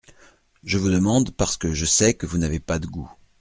Je vous demande parce que je sais que vous n’avez pas de goût…